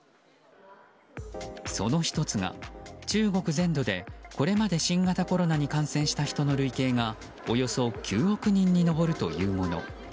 その１つが中国全土でこれまで新型コロナに感染した人の累計がおよそ９億人に上るというもの。